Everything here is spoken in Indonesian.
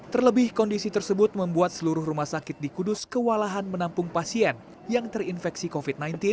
terlebih kondisi tersebut membuat seluruh rumah sakit di kudus kewalahan menampung pasien yang terinfeksi covid sembilan belas